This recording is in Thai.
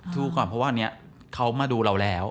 ดูก่อนเพราะว่าวันนี้เขามาดูเราแล้ว